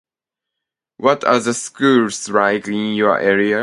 What are the schools like in your area?